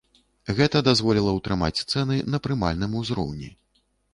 Гэта дазволіла ўтрымаць цэны на прымальным узроўні.